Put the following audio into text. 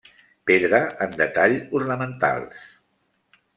Pedra en detall ornamentals.